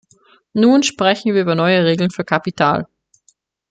Nun sprechen wir über neue Regeln für Kapital.